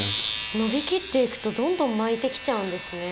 伸びきって行くとどんどん巻いて来ちゃうんですね。